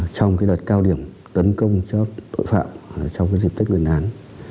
trong đợt cao điểm tấn công cho tội phạm trong dịp tết nguyên đán